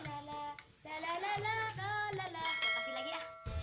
ah udah nyalah giting gua ya